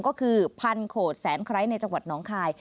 ก็คือพันโขดแสนไคร้ในจังหวัดน้องคาย